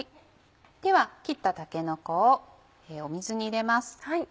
では切ったたけのこを水に入れます。